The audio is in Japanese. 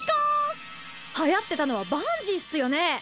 はやってたのはバンジーっすよね？